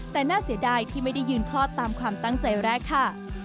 แต่น่าเสียดายที่ไม่ได้ยืนคลอดตามความตั้งใจแรกค่ะ